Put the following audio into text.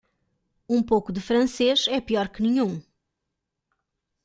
Um pouco de francês é pior que nenhum.